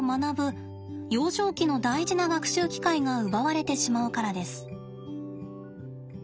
幼少期の大事な学習機会が奪われてしまうからです。